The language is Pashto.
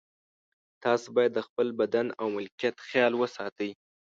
تاسو باید د خپل بدن او ملکیت خیال وساتئ.